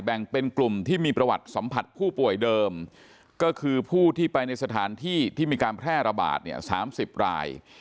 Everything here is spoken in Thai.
แบ่งเป็นกลุ่มที่มีประวัติสัมผัสผู้ป่วยเดิมก็คือผู้ที่ไปในสถานที่ที่มีการแพร่ระบาดเนี่ย๓๐ราย